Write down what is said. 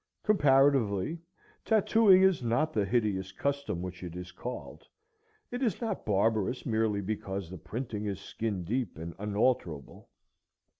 Comparatively, tattooing is not the hideous custom which it is called. It is not barbarous merely because the printing is skin deep and unalterable.